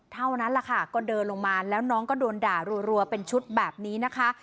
เท่านั้นแหละค่ะก็เดินลงมาแล้วน้องก็โดนด่ารัวเป็นชุดแบบนี้นะคะ